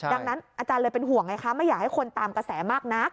ดังนั้นอาจารย์เลยเป็นห่วงไงคะไม่อยากให้คนตามกระแสมากนัก